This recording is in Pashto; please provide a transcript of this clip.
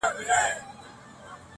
قتلول به یې مظلوم خلک بېځایه.